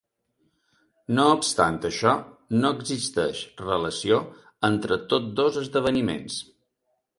No obstant això, no existeix relació entre tots dos esdeveniments.